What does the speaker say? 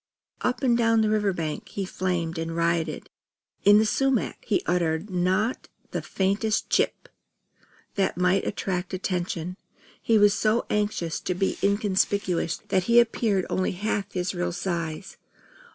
Up and down the river bank he flamed and rioted. In the sumac he uttered not the faintest "Chip!" that might attract attention. He was so anxious to be inconspicuous that he appeared only half his real size.